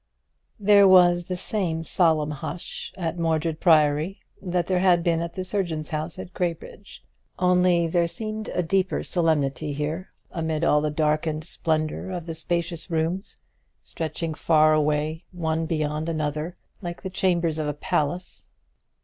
There was the same solemn hush at Mordred Priory that there had been in the surgeon's house at Graybridge; only there seemed a deeper solemnity here amid all the darkened splendour of the spacious rooms, stretching far away, one beyond another, like the chambers of a palace.